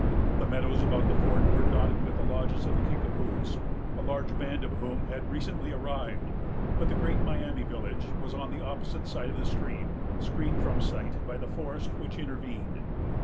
The meadows about the fort were dotted with the lodges of the Kickapoos, a large band of whom had recently arrived; but the great Miami village was on the opposite side of the stream, screened from sight by the forest which intervened.